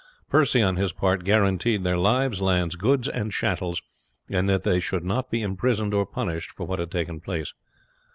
Percy, on his part, guaranteed their lives, lands, goods, and chattels, and that they should not be imprisoned or punished for what had taken place.